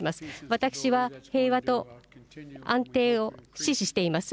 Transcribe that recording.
私は平和と安定を支持しています。